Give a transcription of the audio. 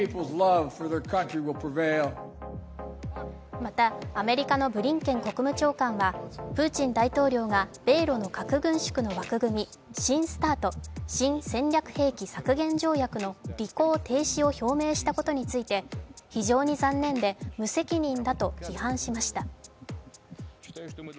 またアメリカのブリンケン国務長官はプーチン大統領が米ロの核軍縮の枠組み、新ＳＴＡＲＴ＝新戦略兵器削減条約の履行停止を表明したことについて非常に残念で、無責任だと批判しました。